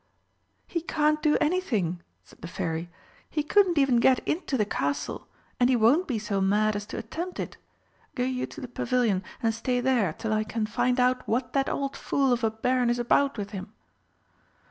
"He can't do anything!" said the Fairy. "He couldn't even get into the Castle, and he won't be so mad as to attempt it. Go you to the Pavilion, and stay there till I can find out what that old fool of a Baron is about with him."